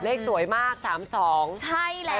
เลขสวยมาก๓๒ไอรัสทีวี